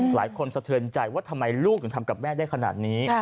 สะเทือนใจว่าทำไมลูกถึงทำกับแม่ได้ขนาดนี้